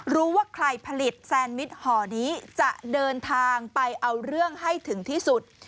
รู้ว่าใครผลิตแซนมิตรห่อนี้จะเดินทางไปเอาเรื่องให้ถึงที่สุด